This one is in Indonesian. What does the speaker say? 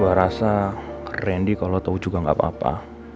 gue rasa rendy kalau tahu juga enggak apa apa